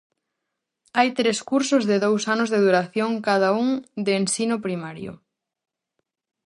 Hai tres cursos de dous anos de duración, cada un de ensino primario.